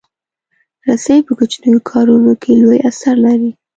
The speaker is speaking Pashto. رسۍ په کوچنیو کارونو کې لوی اثر لري.